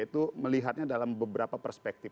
itu melihatnya dalam beberapa perspektif